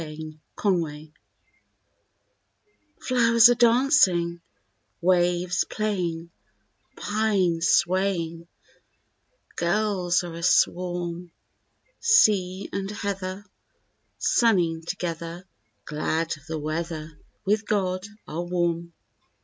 SENSE SWEETNESS Flowers are dancing, waves playing, pines swaying, gulls are a swarm; Sea and heather, sunning together, glad of the weather, with God are warm.